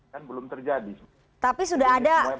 kan belum terjadi